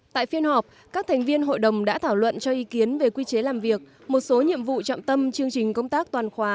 tại phiên họp các thành viên hội đồng đã thảo luận cho ý kiến về quy chế làm việc một số nhiệm vụ trọng tâm chương trình công tác toàn khóa